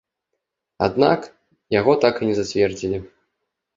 Аднак, яго так і не зацвердзілі.